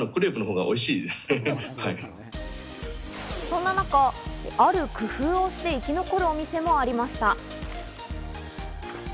そんな中、ある工夫をして生き残るお店もありました。